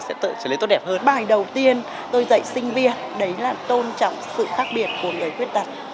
sẽ trở lên tốt đẹp hơn bài đầu tiên tôi dạy sinh viên đấy là tôn trọng sự khác biệt của người khuyết tật